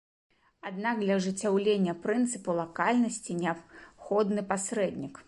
Аднак, для ажыццяўлення прынцыпу лакальнасці неабходны пасрэднік.